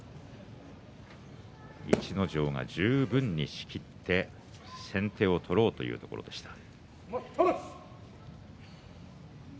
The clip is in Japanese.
逸ノ城が十分に仕切って先手を取ろうというところでした。